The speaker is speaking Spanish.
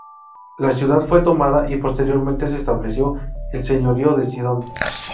La ciudad fue tomada y posteriormente se estableció el Señorío de Sidón.